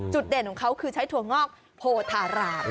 เด่นของเขาคือใช้ถั่วงอกโพธาราม